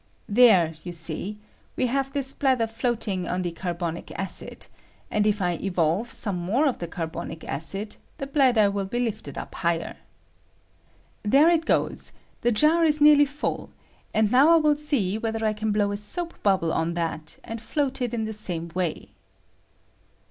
There, you see, we have this bladder floating on the carbonic acid; and if I evolve some more of the carbonic acid, the bladder will be lifted up higher. There it goes; the jar is nearly full, and now I will see whether I can blow a soap bubble on that and float it in the same way.